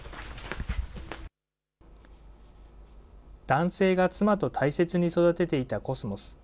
男性が妻と大切に育てていたコスモス。